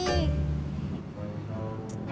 oh ini dia